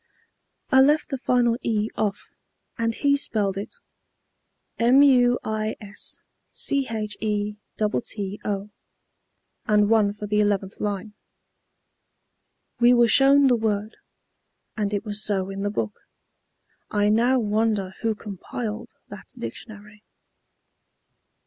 I left the final 'e' off, and he spelled it 'muischetto' and won for the 11th line. We were shown the word, and it was so in the book. I now wonder who compiled that dictionary."